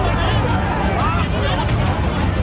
สวัสดีครับ